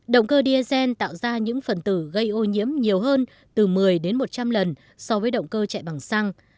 động cơ diesel tạo ra những phần tử gây ô nhiễm nhiều hơn từ một mươi đến một trăm linh lần so với động cơ chạy bằng xăng